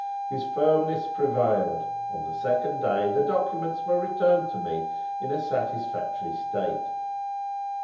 His firmness prevailed: on the second day, the documents were returned to me in a satisfactory state.